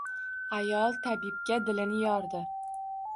Ayol tabibga dilini yordi